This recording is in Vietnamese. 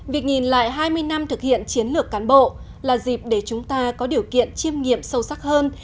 việc nhìn lại hai mươi năm thực hiện chiến lược cán bộ là dịp để chúng ta có điều kiện chiêm nghiệm sâu sắc hơn